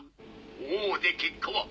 おぉで結果は？